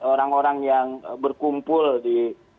orang orang yang berkumpul di